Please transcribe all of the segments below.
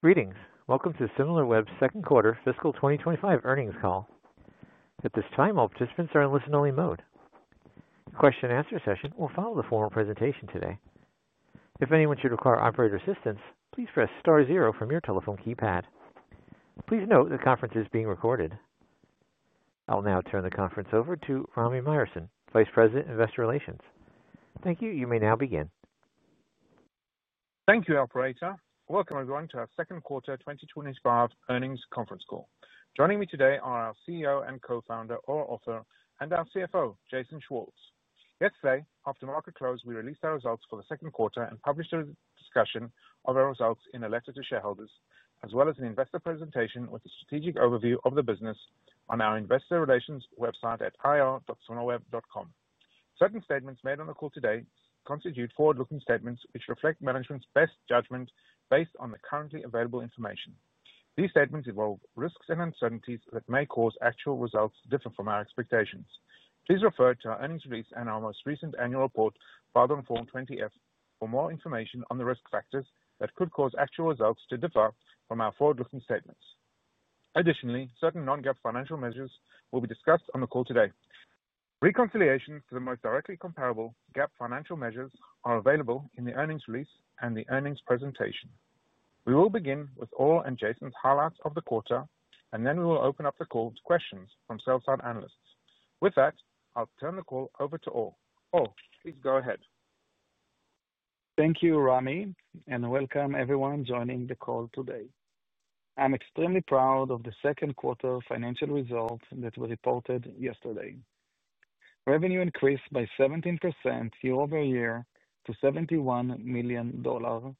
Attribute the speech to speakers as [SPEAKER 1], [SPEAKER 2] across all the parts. [SPEAKER 1] Greetings. Welcome to the Similarweb Second Quarter fiscal 2025 Earnings Call. At this time, all participants are in listen-only mode. The question and answer session will follow the formal presentation today. If anyone should require operator assistance, please press star zero from your telephone keypad. Please note the conference is being recorded. I'll now turn the conference over to Rami Myerson, Vice President of Investor Relations. Thank you. You may now begin.
[SPEAKER 2] Thank you, operator. Welcome everyone to our second quarter 2025 earnings conference call. Joining me today are our CEO and Co-founder Or Offer and our CFO, Jason Schwartz. Yesterday, after market close, we released our results for the second quarter and published a discussion of our results in a letter to shareholders, as well as an investor presentation with a strategic overview of the business on our investor relations website at ir.similarweb.com. Certain statements made on the call today constitute forward-looking statements, which reflect management's best judgment based on the currently available information. These statements involve risks and uncertainties that may cause actual results to differ from our expectations. Please refer to our earnings release and our most recent annual report filed on Form 20-F for more information on the risk factors that could cause actual results to differ from our forward-looking statements. Additionally, certain non-GAAP financial measures will be discussed on the call today. Reconciliation to the most directly comparable GAAP financial measures are available in the earnings release and the earnings presentation. We will begin with Or and Jason's highlights of the quarter, and then we will open up the call to questions from sell side analysts. With that, I'll turn the call over to Or. Or, please go ahead.
[SPEAKER 3] Thank you, Rami, and welcome everyone joining the call today. I'm extremely proud of the second quarter financial result that we reported yesterday. Revenue increased by 17% year-over-year to $71 million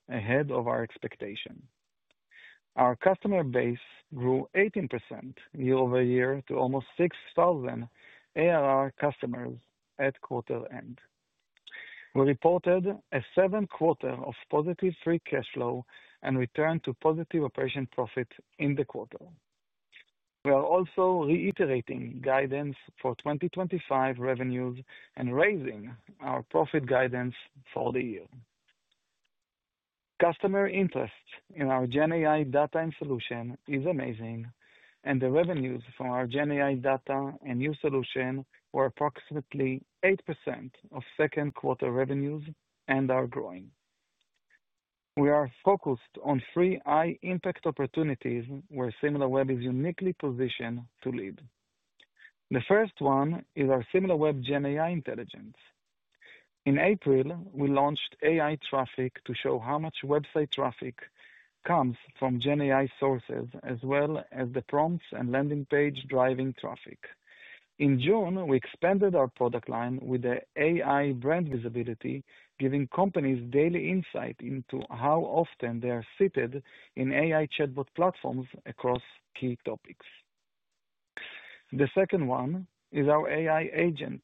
[SPEAKER 3] ahead of our expectation. Our customer base grew 18% year over year to almost 6,000 ARR customers at quarter end. We reported a seventh quarter of positive free cash flow and returned to positive operating profit in the quarter. We are also reiterating guidance for 2025 revenues and raising our profit guidance for the year. Customer interest in our GenAI data and solution is amazing, and the revenues from our GenAI data and new solution were approximately 8% of second quarter revenues and are growing. We are focused on three high-impact opportunities where Similarweb is uniquely positioned to lead. The first one is our Similarweb GenAI intelligence. In April, we launched AI Traffic to show how much website traffic comes from GenAI sources, as well as the prompts and landing page driving traffic. In June, we expanded our product line with the AI Brand Visibility, giving companies daily insight into how often they are seated in AI chatbot platforms across key topics. The second one is our AI agent.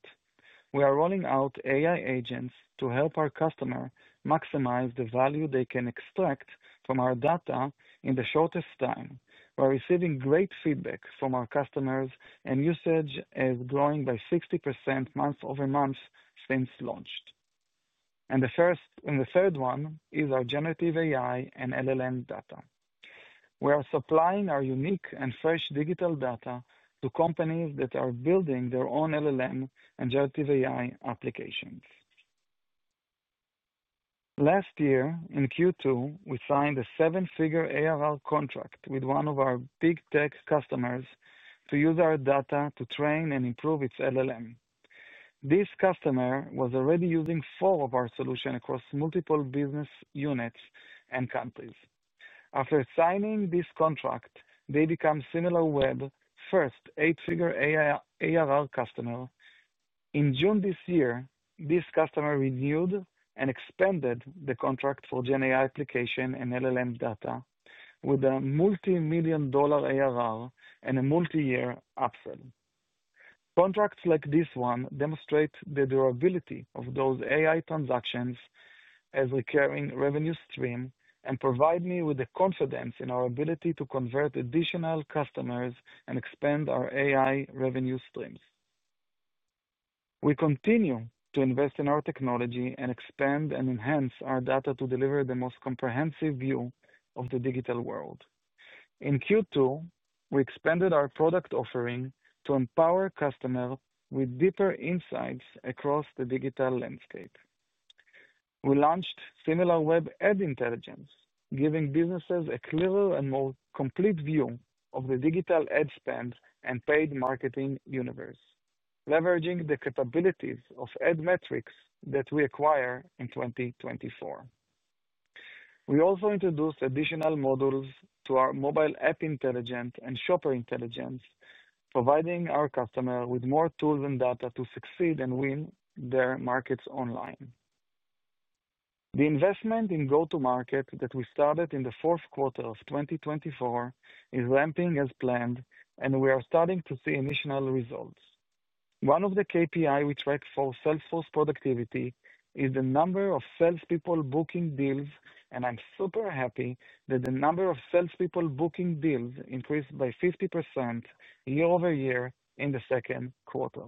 [SPEAKER 3] We are rolling out AI agents to help our customers maximize the value they can extract from our data in the shortest time. We're receiving great feedback from our customers, and usage is growing by 60% month-over-month since launch. The third one is our generative AI and LLM data. We are supplying our unique and fresh digital data to companies that are building their own LLM and generative AI applications. Last year, in Q2, we signed a seven-figure ARR contract with one of our big tech customers to use our data to train and improve its LLM. This customer was already using four of our solutions across multiple business units and countries. After signing this contract, they became Similarweb's first eight-figure ARR customer. In June this year, this customer renewed and expanded the contract for GenAI application and LLM data with a multi-million dollar ARR and a multi-year upsell. Contracts like this one demonstrate the durability of those AI transactions as recurring revenue streams and provide me with the confidence in our ability to convert additional customers and expand our AI revenue streams. We continue to invest in our technology and expand and enhance our data to deliver the most comprehensive view of the digital world. In Q2, we expanded our product offering to empower customers with deeper insights across the digital landscape. We launched Similarweb Ad Intelligence, giving businesses a clearer and more complete view of the digital ad spend and paid marketing universe, leveraging the capabilities of Admetrics that we acquired in 2024. We also introduced additional modules to our Mobile App Intelligence and Shopper Intelligence, providing our customers with more tools and data to succeed and win their markets online. The investment in go-to-market that we started in the fourth quarter of 2024 is ramping as planned, and we are starting to see initial results. One of the KPIs we track for salesforce productivity is the number of salespeople booking deals, and I'm super happy that the number of salespeople booking deals increased by 50% year-over-year in the second quarter.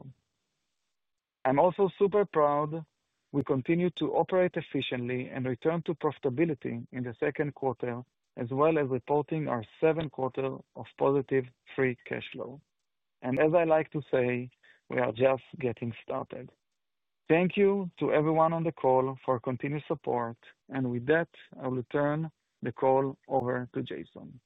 [SPEAKER 3] I'm also super proud we continue to operate efficiently and return to profitability in the second quarter, as well as reporting our seventh quarter of positive free cash flow. As I like to say, we are just getting started. Thank you to everyone on the call for continued support, and with that, I will turn the call over to Jason.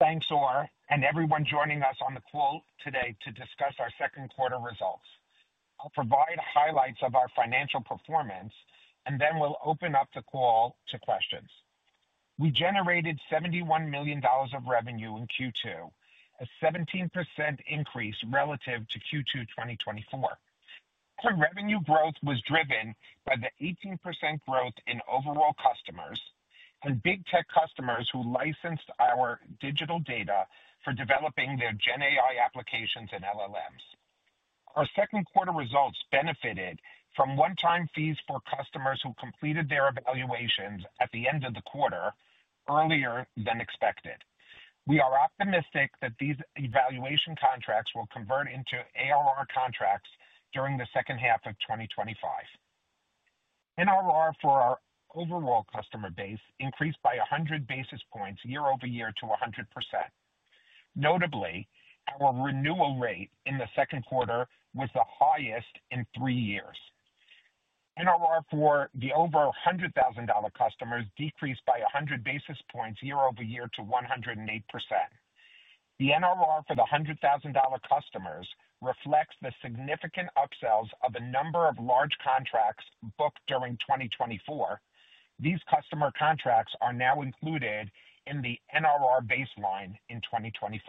[SPEAKER 4] Thanks, Or. Everyone joining us on the call today to discuss our second quarter results, I'll provide the highlights of our financial performance, and then we'll open up the call to questions. We generated $71 million of revenue in Q2, a 17% increase relative to Q2 2024. The revenue growth was driven by the 18% growth in overall customers and big tech customers who licensed our digital data for developing their GenAI applications and LLMs. Our second quarter results benefited from one-time fees for customers who completed their evaluations at the end of the quarter, earlier than expected. We are optimistic that these evaluation contracts will convert into ARR contracts during the second half of 2025. NRR for our overall customer base increased by 100 basis points year-over-year to 100%. Notably, our renewal rate in the second quarter was the highest in three years. NRR for the over $100,000 customers decreased by 100 basis points year-over-year to 108%. The NRR for the $100,000 customers reflects the significant upsells of the number of large contracts booked during 2024. These customer contracts are now included in the NRR baseline in 2025.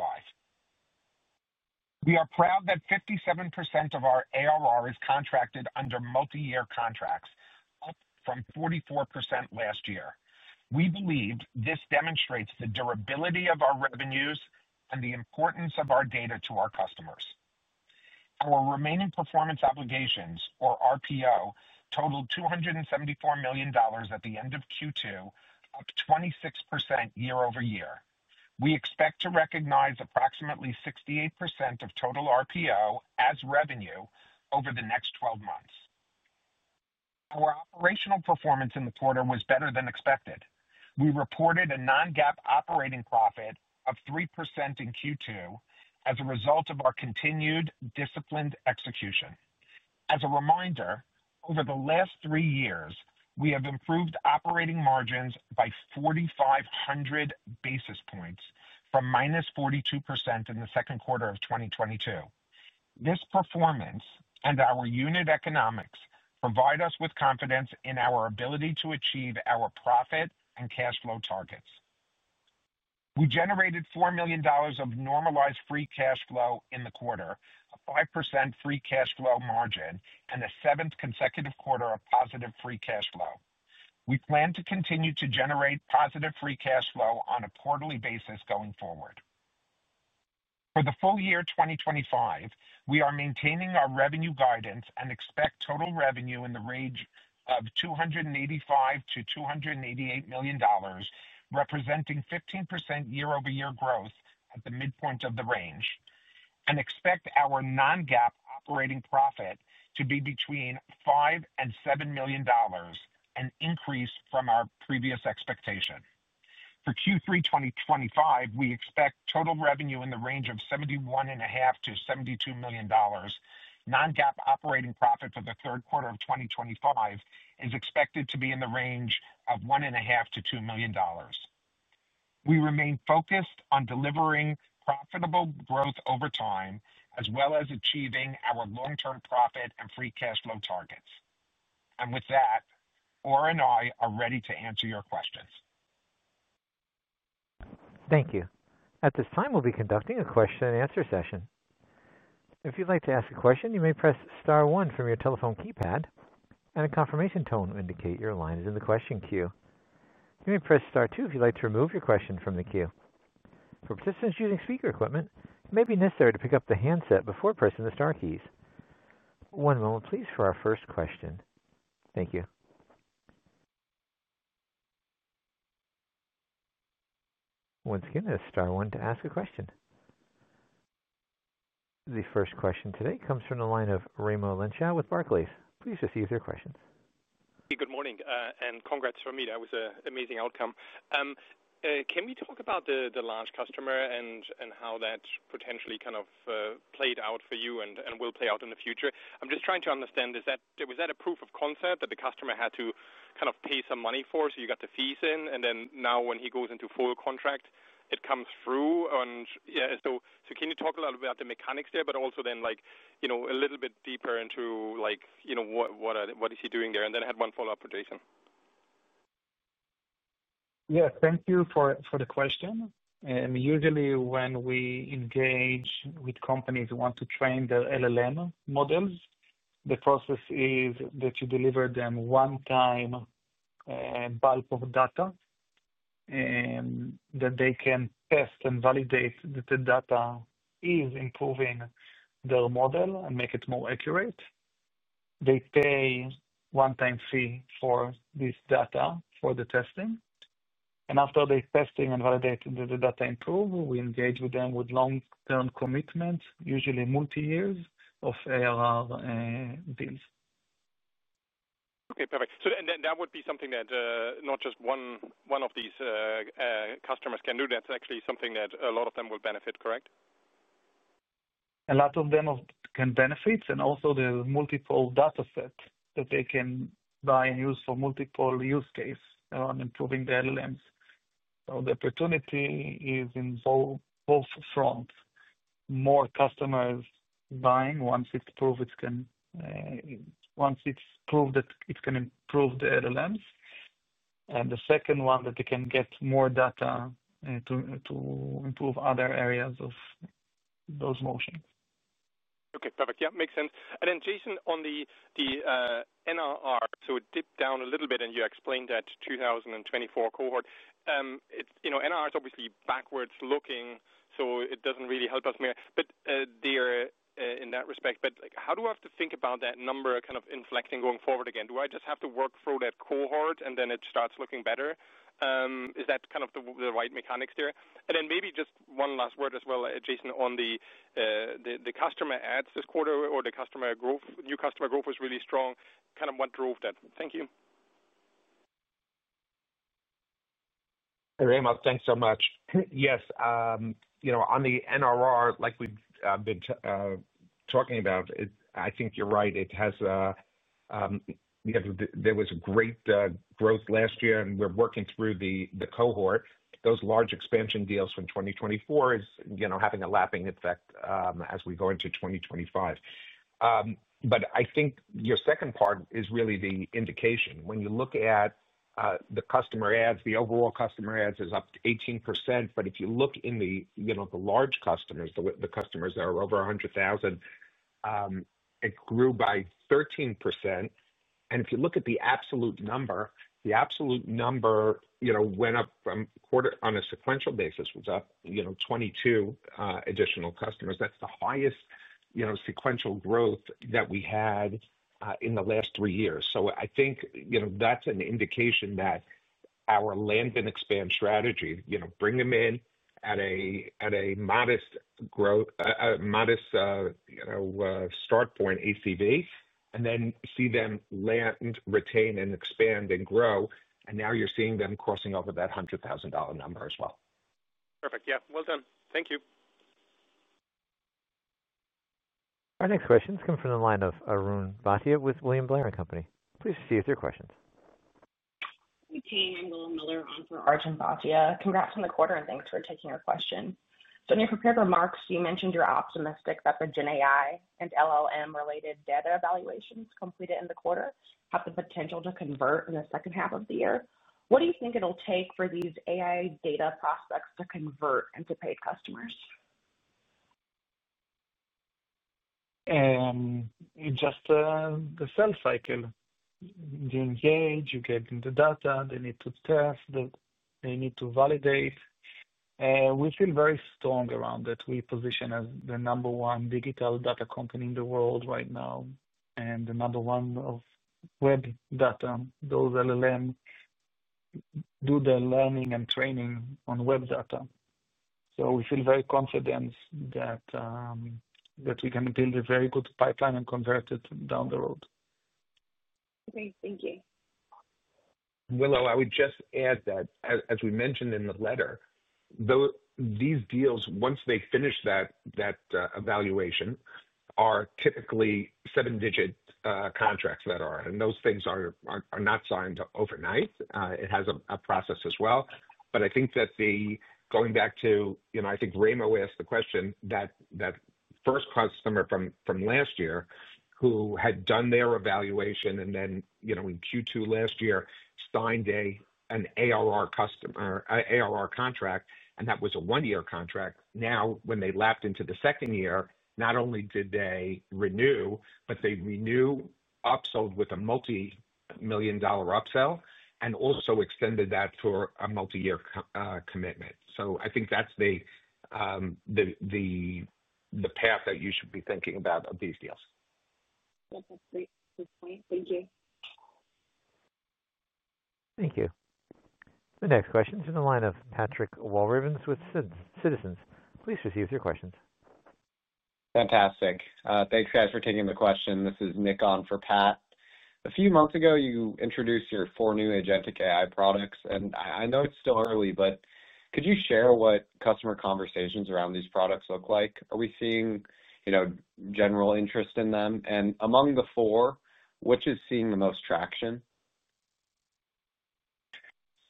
[SPEAKER 4] We are proud that 57% of our ARR is contracted under multi-year contracts, up from 44% last year. We believe this demonstrates the durability of our revenues and the importance of our data to our customers. Our remaining performance obligations, or RPO, totaled $274 million at the end of Q2, up 26% year-over-year. We expect to recognize approximately 68% of total RPO as revenue over the next 12 months. Our operational performance in the quarter was better than expected. We reported a non-GAAP operating profit of 3% in Q2 as a result of our continued disciplined execution. As a reminder, over the last three years, we have improved operating margins by 4,500 basis points from -42% in the second quarter of 2022. This performance and our unit economics provide us with confidence in our ability to achieve our profit and cash flow targets. We generated $4 million of normalized free cash flow in the quarter, a 5% free cash flow margin, and the seventh consecutive quarter of positive free cash flow. We plan to continue to generate positive free cash flow on a quarterly basis going forward. For the full year 2025, we are maintaining our revenue guidance and expect total revenue in the range of $285 million-$288 million, representing 15% year-over-year growth at the midpoint of the range, and expect our non-GAAP operating profit to be between $5 million and $7 million, an increase from our previous expectation. For Q3 2025, we expect total revenue in the range of $71.5 million-$72 million. Non-GAAP operating profit for the third quarter of 2025 is expected to be in the range of $1.5 million-$2 million. We remain focused on delivering profitable growth over time, as well as achieving our long-term profit and free cash flow targets. Or and I are ready to answer your questions.
[SPEAKER 1] Thank you. At this time, we'll be conducting a question and answer session. If you'd like to ask a question, you may press star one from your telephone keypad, and a confirmation tone will indicate your line is in the question queue. You may press star two if you'd like to remove your question from the queue. For participants using speaker equipment, it may be necessary to pick up the handset before pressing the star keys. One moment, please, for our first question. Thank you. Once again, it's star one to ask a question. The first question today comes from the line of Raimo Lenschow with Barclays. Please receive their questions.
[SPEAKER 5] Hey, good morning, and congrats from me. That was an amazing outcome. Can we talk about the large customer and how that potentially kind of played out for you and will play out in the future? I'm just trying to understand, was that a proof of concept that the customer had to kind of pay some money for, so you got the fees in, and then now when he goes into full contract, it comes through? Can you talk a little bit about the mechanics there, but also then like a little bit deeper into like what is he doing there? I had one follow-up for Jason.
[SPEAKER 3] Yeah, thank you for the question. Usually, when we engage with companies who want to train their LLM models, the process is that you deliver them a one-time bulk of data that they can test and validate that the data is improving their model and make it more accurate. They pay a one-time fee for this data for the testing. After they test and validate that the data improves, we engage with them with long-term commitments, usually multi-year ARR deals.
[SPEAKER 5] Perfect. That would be something that not just one of these customers can do. That's actually something that a lot of them will benefit, correct?
[SPEAKER 3] A lot of them can benefit, and also there are multiple data sets that they can buy and use for multiple use cases around improving the LLMs. The opportunity is in both fronts: more customers buying once it's proved that it can improve the LLMs, and the second one that they can get more data to improve other areas of those motions.
[SPEAKER 5] Okay, perfect. Yeah, makes sense. Jason, on the NRR, it dipped down a little bit, and you explained that 2024 cohort. NRR is obviously backwards looking, so it doesn't really help us there in that respect. How do I have to think about that number kind of inflecting going forward again? Do I just have to work through that cohort and then it starts looking better? Is that kind of the right mechanics there? Maybe just one last word as well, Jason, on the customer adds this quarter or the customer growth, new customer growth was really strong. Kind of what drove that? Thank you.
[SPEAKER 4] Hey, Raimo, thanks so much. Yes, you know on the NRR, like we've been talking about, I think you're right. There was great growth last year, and we're working through the cohort. Those large expansion deals from 2024 are having a lapping effect as we go into 2025. I think your second part is really the indication. When you look at the customer adds, the overall customer adds is up 18%, but if you look in the large customers, the customers that are over $100,000, it grew by 13%. If you look at the absolute number, the absolute number went up from quarter on a sequential basis, was up 22 additional customers. That's the highest sequential growth that we had in the last three years. I think that's an indication that our land and expand strategy, bring them in at a modest start point, ACV, and then see them land, retain, and expand and grow. Now you're seeing them crossing over that $100,000 number as well.
[SPEAKER 5] Perfect. Yeah, well done. Thank you.
[SPEAKER 1] Our next question is coming from the line of Arun Bhatia with William Miller & Company. Please receive their questions.
[SPEAKER 6] Hey, team. Willow Miller for Arjun Bhatia. Congrats on the quarter and thanks for taking your question. When you prepared the remarks, you mentioned you're optimistic that the GenAI and LLM-related data evaluations completed in the quarter have the potential to convert in the second half of the year. What do you think it'll take for these AI data prospects to convert into paid customers?
[SPEAKER 3] In just the sales cycle, they engage, you get in the data, they need to test it, they need to validate. We feel very strong around it. We position as the number one digital data company in the world right now and the number one of web data. Those LLMs do the learning and training on web data. We feel very confident that we can build a very good pipeline and convert it down the road.
[SPEAKER 6] Great. Thank you.
[SPEAKER 4] Willow, I would just add that, as we mentioned in the letter, these deals, once they finish that evaluation, are typically seven-digit contracts, and those things are not signed overnight. It has a process as well. I think that going back to, you know, I think Raimo asked the question, that first customer from last year who had done their evaluation and then, you know, in Q2 last year signed an ARR customer contract, and that was a one-year contract. Now, when they lapped into the second year, not only did they renew, but they renewed, upsold with a multi-million dollar upsell, and also extended that to a multi-year commitment. I think that's the path that you should be thinking about of these deals.
[SPEAKER 6] That's a great point. Thank you.
[SPEAKER 1] Thank you. The next question is on the line of Patrick Walravens with Citizens. Please proceed with your questions.
[SPEAKER 7] Fantastic. Thanks, guys, for taking the question. This is Nick on for Pat. A few months ago, you introduced your four new agentic AI products, and I know it's still early, but could you share what customer conversations around these products look like? Are we seeing, you know, general interest in them? Among the four, which is seeing the most traction?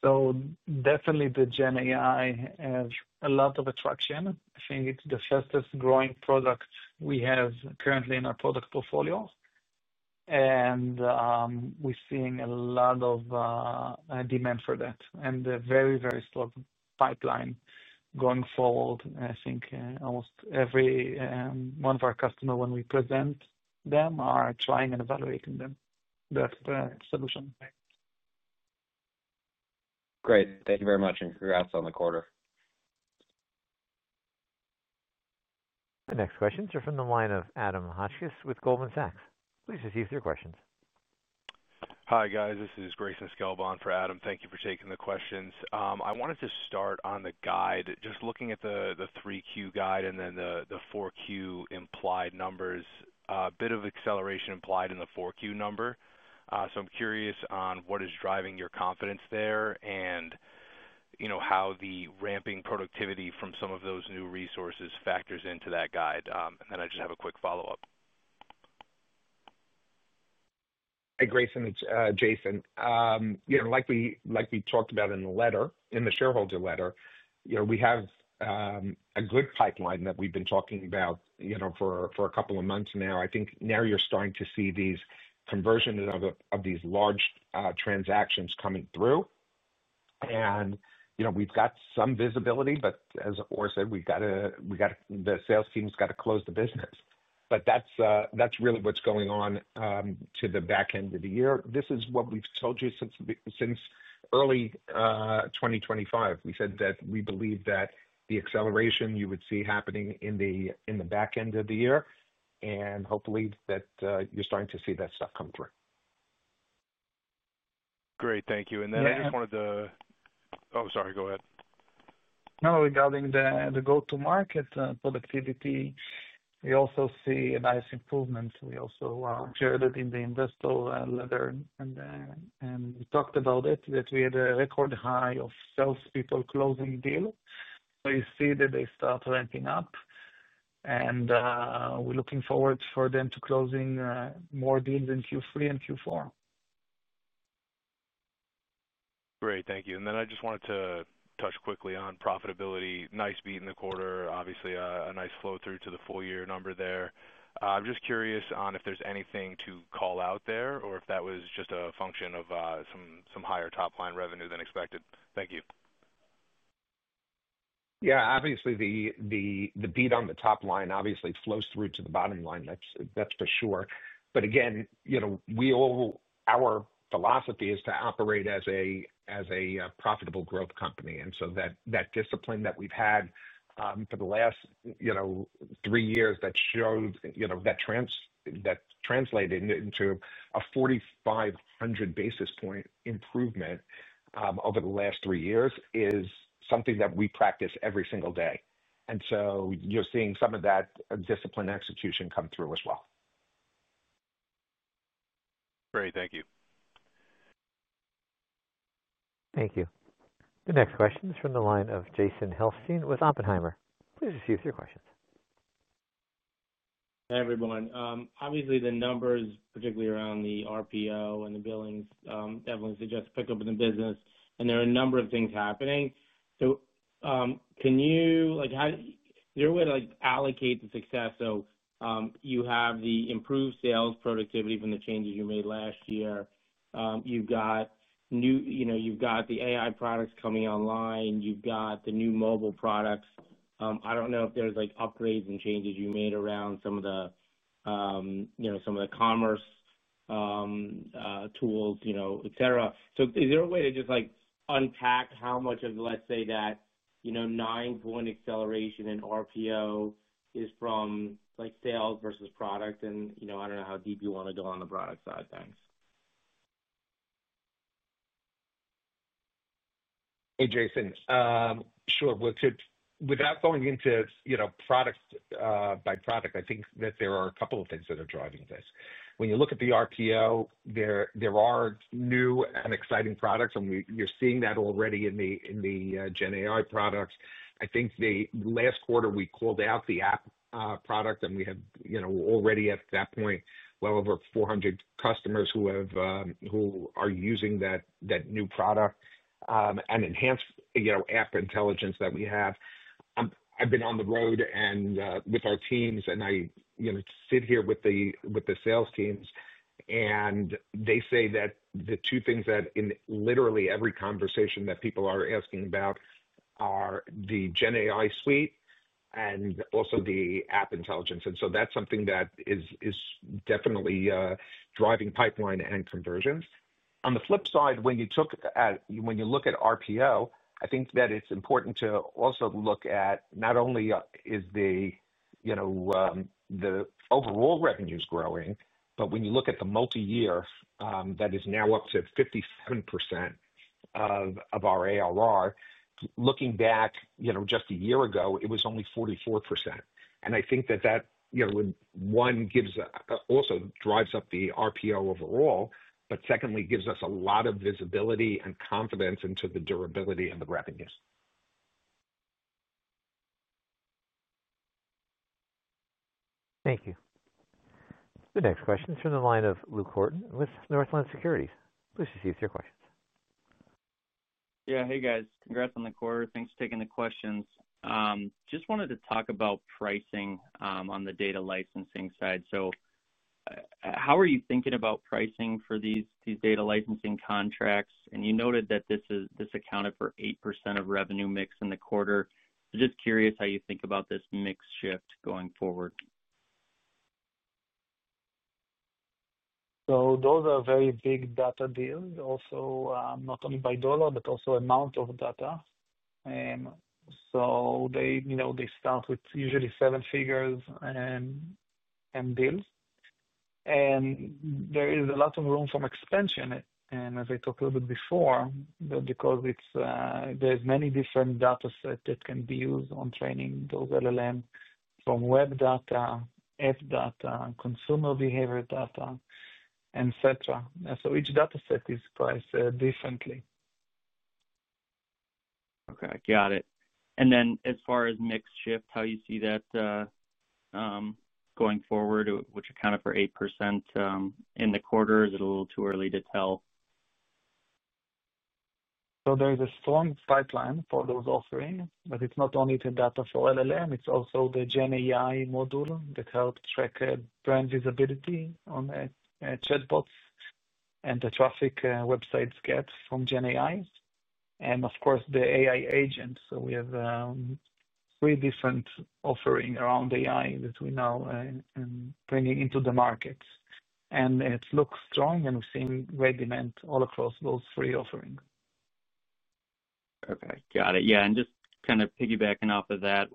[SPEAKER 3] GenAI has a lot of attraction. I think it's the fastest growing product we have currently in our product portfolio, and we're seeing a lot of demand for that and a very, very strong pipeline going forward. I think almost every one of our customers, when we present them, are trying and evaluating them, that solution.
[SPEAKER 7] Great. Thank you very much, and congrats on the quarter.
[SPEAKER 1] The next question is from the line of Adam Hodges with Goldman Sachs. Please proceed with your questions.
[SPEAKER 8] Hi, guys. This is Greyson Sklba for Adam. Thank you for taking the questions. I wanted to start on the guide, just looking at the 3Q guide and then the 4Q implied numbers, a bit of acceleration implied in the 4Q number. I'm curious on what is driving your confidence there and how the ramping productivity from some of those new resources factors into that guide. I just have a quick follow-up.
[SPEAKER 4] Hey, Greyson, Jason. Like we talked about in the shareholder letter, we have a good pipeline that we've been talking about for a couple of months now. I think now you're starting to see these conversions of these large transactions coming through. We've got some visibility, but as Or said, the sales team's got to close the business. That's really what's going on to the back end of the year. This is what we've told you since early 2025. We said that we believe that the acceleration you would see happening in the back end of the year, and hopefully that you're starting to see that stuff come through.
[SPEAKER 8] Great, thank you. I just wanted to—oh, sorry, go ahead.
[SPEAKER 3] No, regarding the go-to-market productivity, we also see a nice improvement. We also shared it in the investor letter, and we talked about it, that we had a record high of salespeople closing deals. You see that they start ramping up, and we're looking forward for them to closing more deals in Q3 and Q4.
[SPEAKER 8] Great. Thank you. I just wanted to touch quickly on profitability. Nice beat in the quarter. Obviously, a nice flow through to the full year number there. I'm just curious if there's anything to call out there or if that was just a function of some higher top line revenue than expected. Thank you.
[SPEAKER 4] Yeah, obviously, the beat on the top line obviously flows through to the bottom line. That's for sure. Our philosophy is to operate as a profitable growth company, and that discipline that we've had for the last three years that showed, that translated into a 4,500 basis point improvement over the last three years, is something that we practice every single day. You're seeing some of that discipline execution come through as well.
[SPEAKER 8] Great. Thank you.
[SPEAKER 1] Thank you. The next question is from the line of Jason Helfstein with Oppenheimer. Please receive your questions.
[SPEAKER 9] Hey, everyone. Obviously, the numbers, particularly around the RPO and the billings, definitely suggest a pickup in the business, and there are a number of things happening. Can you, like, how is your way to allocate the success? You have the improved sales productivity from the changes you made last year. You've got new, you know, you've got the AI products coming online. You've got the new mobile products. I don't know if there's upgrades and changes you made around some of the, you know, some of the commerce tools, et cetera. Is there a way to just unpack how much of, let's say, that 9% acceleration in RPO is from sales versus product? I don't know how deep you want to go on the product side. Thanks.
[SPEAKER 4] Hey, Jason. Sure. Without going into, you know, product by product, I think that there are a couple of things that are driving this. When you look at the RPO, there are new and exciting products, and you're seeing that already in the Gen AI products. I think the last quarter we called out the app product, and we have already at that point well over 400 customers who are using that new product and enhanced app intelligence that we have. I've been on the road and with our teams, and I sit here with the sales teams, and they say that the two things that in literally every conversation that people are asking about are the Gen AI suite and also the app intelligence. That is something that is definitely driving pipeline and conversions. On the flip side, when you look at RPO, I think that it's important to also look at not only is the overall revenues growing, but when you look at the multi-year, that is now up to 57% of our ARR. Looking back just a year ago, it was only 44%. I think that, one, also drives up the RPO overall, but secondly, gives us a lot of visibility and confidence into the durability and the revenues.
[SPEAKER 1] Thank you. The next question is from the line of Luke Horton with Northland Securities. Please receive your questions.
[SPEAKER 10] Yeah, hey guys, congrats on the quarter. Thanks for taking the questions. Just wanted to talk about pricing on the data licensing side. How are you thinking about pricing for these data licensing contracts? You noted that this accounted for 8% of revenue mix in the quarter. I'm just curious how you think about this mix shift going forward.
[SPEAKER 3] Those are very big data deals, not only by dollar, but also amount of data. They start with usually seven figures in deals, and there is a lot of room for expansion. As I talked a little bit before, because there's many different data sets that can be used on training those LLMs from web data, app data, consumer behavior data, et cetera, each data set is priced differently.
[SPEAKER 10] Okay, I got it. As far as mix shift, how you see that going forward, which accounted for 8% in the quarter, is it a little too early to tell?
[SPEAKER 3] There is a strong pipeline for those offerings, but it's not only the data for LLM, it's also the Gen AI module that helps track brand visibility on the chatbots and the traffic websites get from Gen AI. Of course, the AI agent. We have three different offerings around AI that we're now bringing into the market. It looks strong, and we're seeing great demand all across those three offerings.
[SPEAKER 10] Okay, got it. Yeah, just kind of piggybacking off of that,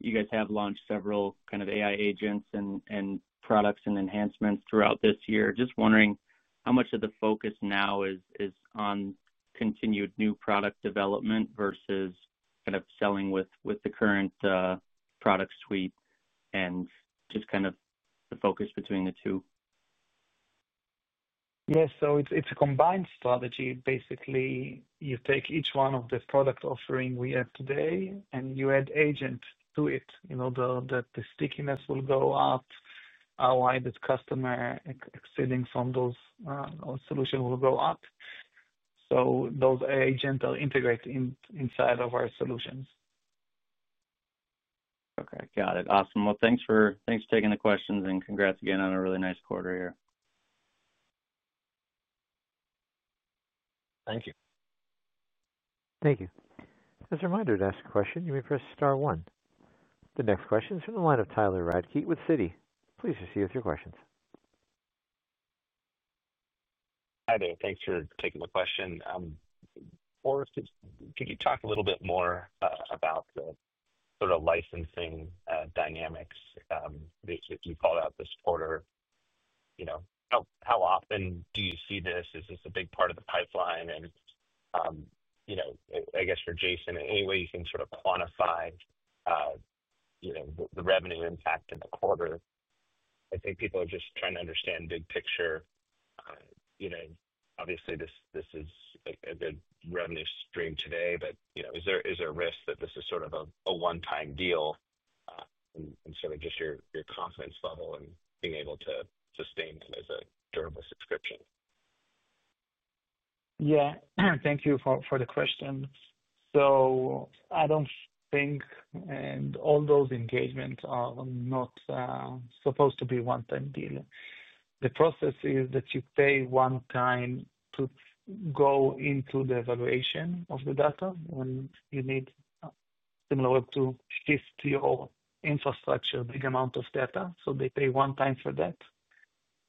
[SPEAKER 10] you guys have launched several kind of AI agents and products and enhancements throughout this year. Just wondering how much of the focus now is on continued new product development versus kind of selling with the current product suite, and just kind of the focus between the two?
[SPEAKER 3] Yeah, it's a combined strategy. Basically, you take each one of the product offerings we have today and you add agents to it. You know that the stickiness will go up, how high the customer exceeding from those solutions will go up. Those agents are integrated inside of our solutions.
[SPEAKER 10] Okay, got it. Awesome. Thanks for taking the questions and congrats again on a really nice quarter here.
[SPEAKER 4] Thank you.
[SPEAKER 1] Thank you. As a reminder, to ask a question, you may press star one. The next question is from the line of Tyler Radke with Citi. Please proceed with your questions.
[SPEAKER 11] Hi there. Thanks for taking the question. Or, could you talk a little bit more about the sort of licensing dynamics that you called out this quarter? How often do you see this? Is this a big part of the pipeline? I guess for Jason, in any way you can sort of quantify the revenue impact in the quarter. I think people are just trying to understand the big picture. Obviously, this is a big revenue stream today, but is there a risk that this is sort of a one-time deal? Just your confidence level in being able to sustain them as a durable subscription.
[SPEAKER 3] Thank you for the question. I don't think, and all those engagements are not supposed to be a one-time deal. The process is that you pay one time to go into the evaluation of the data when you need Similarweb to shift your infrastructure, a big amount of data. They pay one time for that.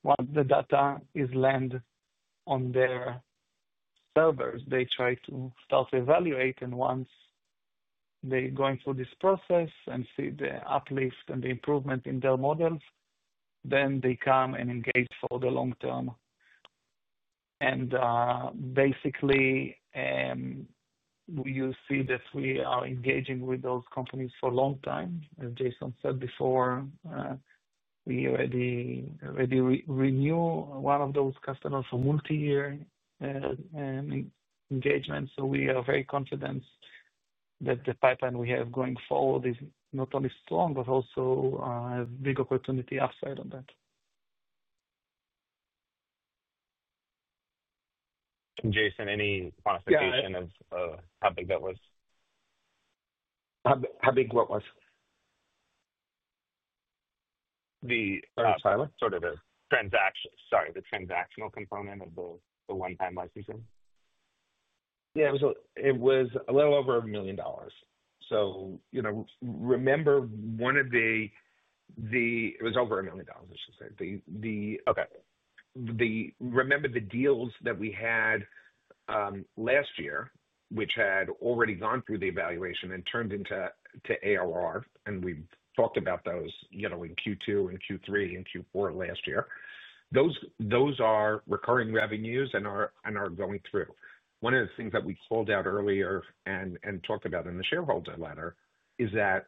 [SPEAKER 3] Once the data is landed on their servers, they try to start to evaluate. Once they go through this process and see the uplift and the improvement in their models, they come and engage for the long term. Basically, you see that we are engaging with those companies for a long time. As Jason said before, we already renew one of those customers for multi-year engagement. We are very confident that the pipeline we have going forward is not only strong, but also a big opportunity outside of that.
[SPEAKER 11] Jason, any classification of how big that was?
[SPEAKER 4] How big was it?
[SPEAKER 11] What is the transactional component of the one-time licensing?
[SPEAKER 4] Yeah, it was a little over $1 million. Remember, it was over $1 million, I should say. Remember the deals that we had last year, which had already gone through the evaluation and turned into ARR, and we talked about those in Q2, Q3, and Q4 last year. Those are recurring revenues and are going through. One of the things that we called out earlier and talked about in the shareholder letter is that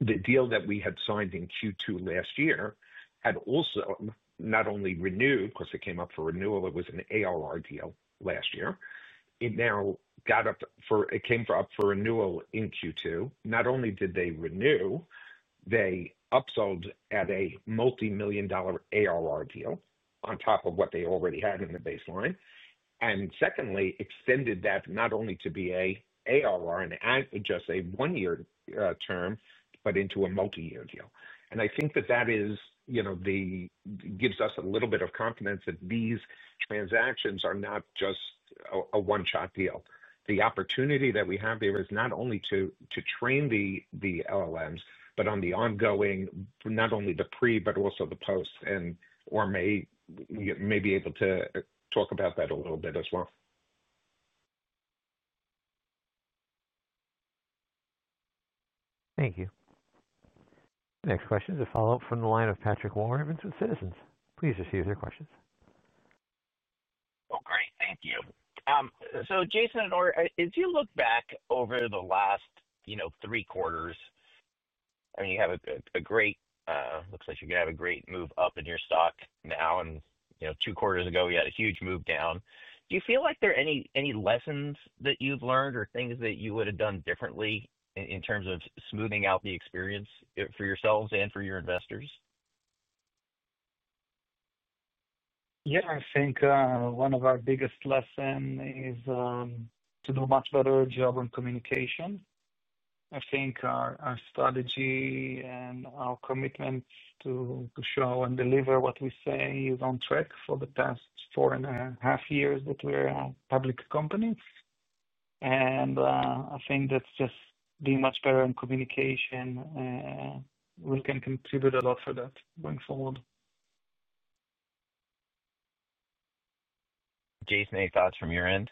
[SPEAKER 4] the deal that we had signed in Q2 last year had also not only renewed, of course, it came up for renewal, it was an ARR deal last year. It now got up for, it came up for renewal in Q2. Not only did they renew, they upsold at a multi-million dollar ARR deal on top of what they already had in the baseline. Secondly, they extended that not only to be an ARR and just a one-year term, but into a multi-year deal. I think that gives us a little bit of confidence that these transactions are not just a one-shot deal. The opportunity that we have there is not only to train the LLMs, but on the ongoing, not only the pre, but also the post. Or, you may be able to talk about that a little bit as well.
[SPEAKER 1] Thank you. Next question is a follow-up from the line of Patrick Walravens with Citizens. Please receive your questions.
[SPEAKER 7] Thank you. Jason, as you look back over the last three quarters, you have a great, it looks like you're going to have a great move up in your stock now. Two quarters ago, we had a huge move down. Do you feel like there are any lessons that you've learned or things that you would have done differently in terms of smoothing out the experience for yourselves and for your investors?
[SPEAKER 3] I think one of our biggest lessons is to do a much better job on communication. I think our strategy and our commitment to show and deliver what we say is on track for the past four and a half years that we're a public company. I think that's just being much better in communication. We can contribute a lot for that going forward.
[SPEAKER 7] Jason, any thoughts from your end?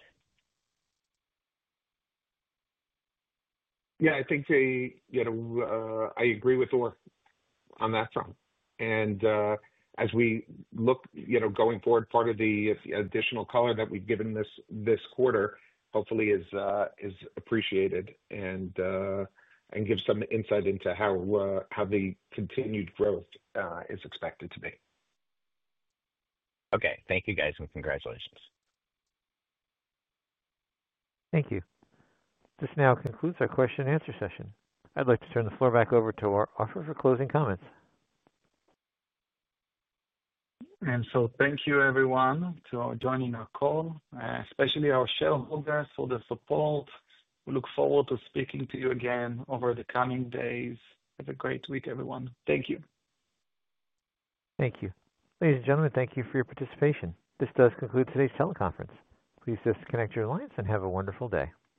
[SPEAKER 4] I think they, you know, I agree with Or on that front. As we look, you know, going forward, part of the additional color that we've given this quarter, hopefully, is appreciated and gives some insight into how the continued growth is expected to be.
[SPEAKER 7] Okay. Thank you, guys, and congratulations.
[SPEAKER 1] Thank you. This now concludes our question and answer session. I'd like to turn the floor back over to Or Offer for closing comments.
[SPEAKER 3] Thank you, everyone, for joining our call, especially our shareholders for the support. We look forward to speaking to you again over the coming days. Have a great week, everyone. Thank you.
[SPEAKER 1] Thank you. Ladies and gentlemen, thank you for your participation. This does conclude today's teleconference. Please disconnect your lines and have a wonderful day.